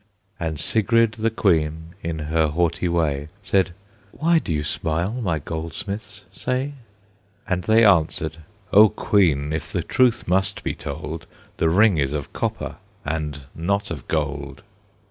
And Sigrid the Queen, in her haughty way, Said, "Why do you smile, my goldsmiths, say?" And they answered: "O Queen! if the truth must be told, The ring is of copper, and not of gold!"